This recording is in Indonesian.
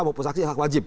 maupun saksi yang wajib